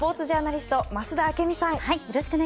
ジャーナリスト増田明美さん。